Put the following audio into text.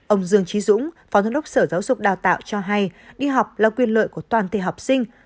ông dương trí dũng phó giám đốc sở giáo dục đào tạo cho hay đi học là quyền lợi của toàn thể học sinh